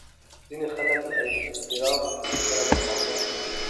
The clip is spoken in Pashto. ځینې خلک له اضطراب سره مقاومت کوي.